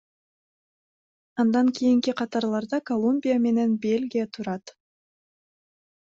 Андан кийинки катарларда Колумбия менен Бельгия турат.